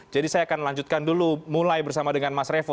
jadi saya akan lanjutkan dulu mulai bersama dengan mas revo